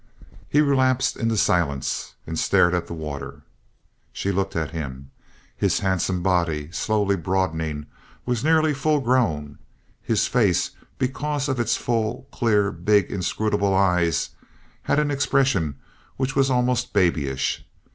He relapsed into silence and stared at the water. She looked at him. His handsome body, slowly broadening, was nearly full grown. His face, because of its full, clear, big, inscrutable eyes, had an expression which was almost babyish.